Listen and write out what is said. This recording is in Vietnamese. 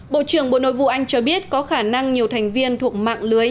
bộ trưởng bộ nội vụ anh cho biết có khả năng nhiều thành viên thuộc mạng lưới